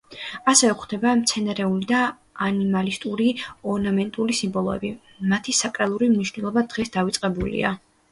ასევე გვხვდება მცენარეული და ანიმალისტური ორნამენტული სიმბოლოები, მათი საკრალური მნიშვნელობა დღეს დავიწყებულია.